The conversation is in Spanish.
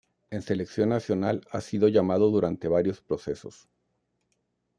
En Selección Nacional ha sido llamado durante varios procesos.